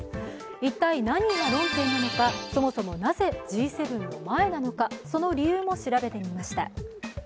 一体何が論点なのか、そもそもなぜＧ７の前なのか、その理由も調べてみました。